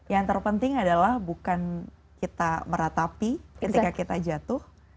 yang terpenting adalah bukan kita meratapi ketika kita jatuh